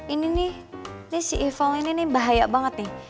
ini nih si ival ini nih bahaya banget nih